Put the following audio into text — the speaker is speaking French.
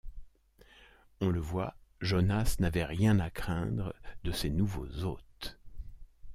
On le voit, Jonas n’avait rien à craindre de ses nouveaux hôtes.